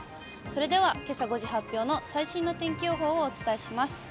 それではけさ５時発表の最新の天気予報をお伝えします。